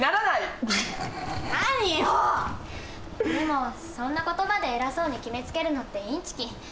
でもそんな言葉で偉そうに決めつけるのってインチキ。